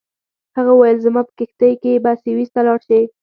هغه وویل زما په کښتۍ کې به سویس ته لاړ شې.